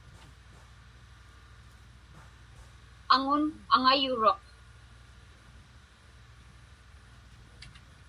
Aŋun aŋayuruq.